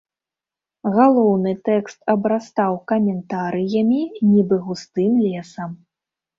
Галоўны тэкст абрастаў каментарыямі, нібы густым лесам.